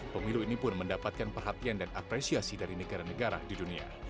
pemilu ini pun mendapatkan perhatian dan apresiasi dari negara negara di dunia